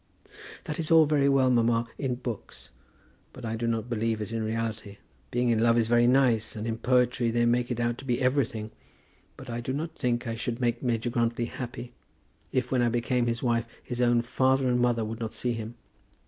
"That is all very well, mamma, in books; but I do not believe it in reality. Being in love is very nice, and in poetry they make it out to be everything. But I do not think I should make Major Grantly happy if when I became his wife his own father and mother would not see him.